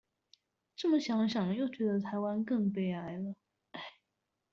這麼想想又覺得台灣更悲哀了